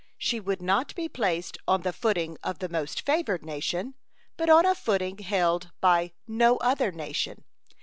She would not be placed on the footing of the most favored nation, but on a footing held by no other nation.